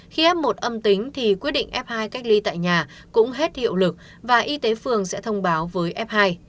khi f một âm tính thì quyết định f hai cách ly tại nhà cũng hết hiệu lực và y tế phường sẽ thông báo với f hai